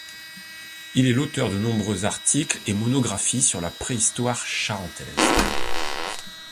Il est l’auteur de nombreux articles et monographies sur la préhistoire charentaise.